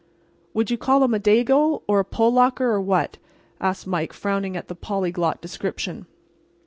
"Would you call him a Dago or a Polocker, or what?" asked Mike, frowning at the polyglot description.